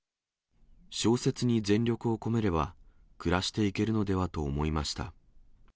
小説に全力を込めれば、暮らしていけるのではと思いました。